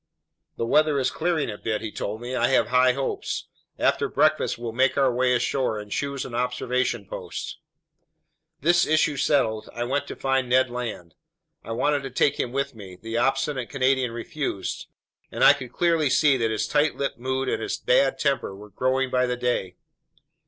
"The weather is clearing a bit," he told me. "I have high hopes. After breakfast we'll make our way ashore and choose an observation post." This issue settled, I went to find Ned Land. I wanted to take him with me. The obstinate Canadian refused, and I could clearly see that his tight lipped mood and his bad temper were growing by the day.